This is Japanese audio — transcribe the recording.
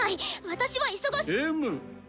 私は忙し。